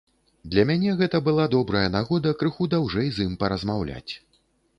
Для мяне гэта была добрая нагода крыху даўжэй з ім паразмаўляць.